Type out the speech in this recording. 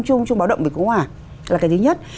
chuông báo động bị cứu hỏa là cái thứ nhất